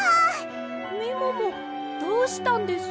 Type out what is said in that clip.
みももどうしたんです？